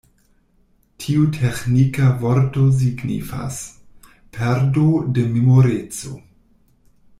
Tiu teĥnika vorto signifas: perdo de memoreco.